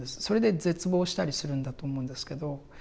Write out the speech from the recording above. それで絶望したりするんだと思うんですけど。